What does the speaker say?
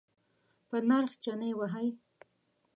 په نرخ چنی وهئ؟